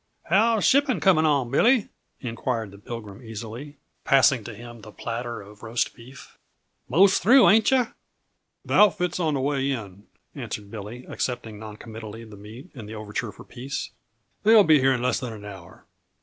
"How's shipping coming on, Billy?" inquired the Pilgrim easily, passing to him the platter of roast beef. "Most through, ain't yuh?" "The outfit's on the way in," answered Billy, accepting noncommittally the meat and the overture for peace. "They'll be here in less than an hour."